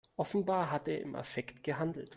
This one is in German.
Offenbar hat er im Affekt gehandelt.